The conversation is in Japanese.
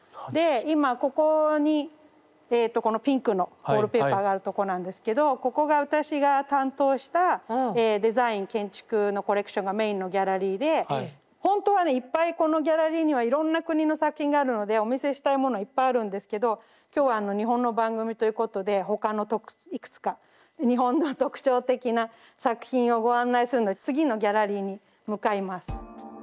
３１。で今ここにえとこのピンクのウォールペーパーがあるとこなんですけどここが私が担当したデザイン建築のコレクションがメインのギャラリーでほんとはねいっぱいこのギャラリーにはいろんな国の作品があるのでお見せしたいものいっぱいあるんですけど今日は日本の番組ということで他のいくつか日本の特徴的な作品をご案内するのに次のギャラリーに向かいます。